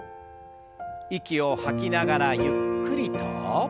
息を吐きながらゆっくりと。